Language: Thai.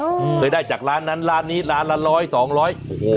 อืมเคยได้จากร้านนั้นร้านนี้ร้านละร้อยสองร้อยโอ้โห